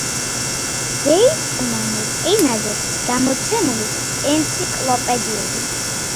ვიეტნამურ ენაზე გამოცემული ენციკლოპედიები.